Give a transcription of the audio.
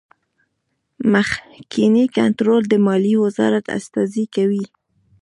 مخکینی کنټرول د مالیې وزارت استازی کوي.